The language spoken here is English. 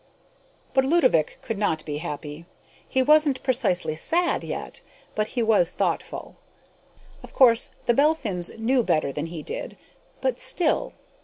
But Ludovick could not be happy. He wasn't precisely sad yet, but he was thoughtful. Of course the Belphins knew better than he did, but still....